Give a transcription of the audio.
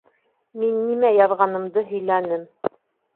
Мин нимә яҙғанымды һөйләнем.